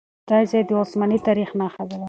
دا ځای د عثماني تاريخ نښه وه.